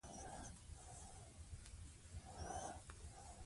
د پېیر کوري تمرکز په ماري څېړنو و.